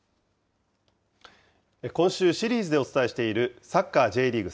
今週、シリーズでお伝えしているサッカーＪリーグ